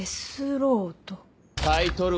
タイトル